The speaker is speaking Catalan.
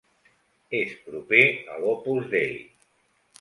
És proper a l'Opus Dei.